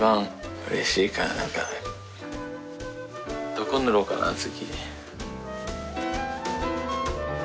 どこ塗ろうかな次。